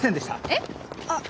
えっ？